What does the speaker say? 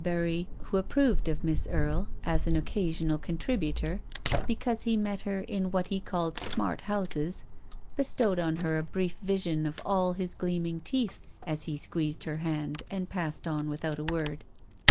293 Barry, who approved of Miss Erie as an occa sional contributor because he met her in what he called "smart houses," bestowed on her a brief vision of all his gleaming teeth as he squeezed her hand and passed on without a word.